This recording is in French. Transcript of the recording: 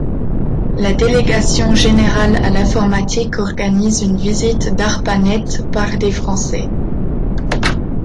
La Délégation générale à l'informatique organise une visite d'Arpanet par des français.